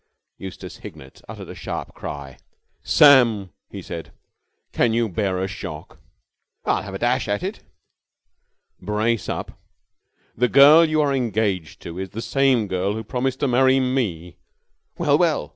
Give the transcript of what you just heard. Eustace Hignett uttered a sharp cry. "Sam," he said, "can you bear a shock?" "I'll have a dash at it." "Brace up!" "The girl you are engaged to is the same girl who promised to marry me." "Well, well!"